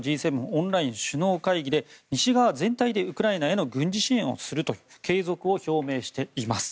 オンライン首脳会議で西側全体でウクライナへの軍事支援をすると継続を表明しています。